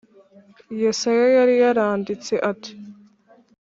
Yesaya yari yaranditse ati